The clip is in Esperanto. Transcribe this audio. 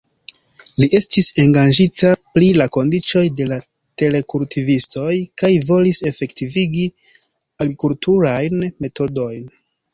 Li estis engaĝita pri la kondiĉoj de la terkultivistoj kaj volis efektivigi agrikulturajn metodojn.